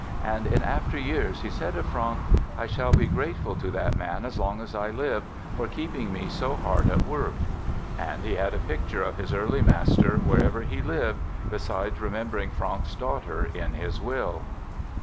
And in after years he said of Franck: "I shall be grateful to that man as long as I live, for keeping me so hard at work." And he had a picture of his early master wherever he lived, besides remembering Franck's daughter in his will.